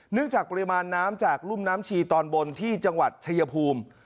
จากปริมาณน้ำจากรุ่มน้ำชีตอนบนที่จังหวัดชายภูมิ